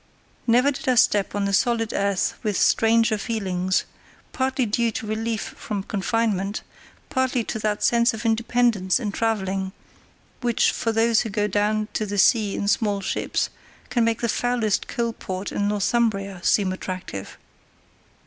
Never did I step on the solid earth with stranger feelings, partly due to relief from confinement, partly to that sense of independence in travelling, which, for those who go down to the sea in small ships, can make the foulest coal port in Northumbria seem attractive.